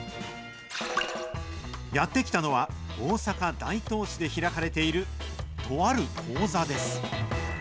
やって来たのは、大阪・大東市で開かれている、とあるです。